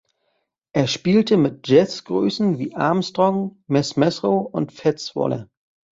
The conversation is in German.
Er spielte mit Jazzgrößen wie Armstrong, Mezz Mezzrow und Fats Waller.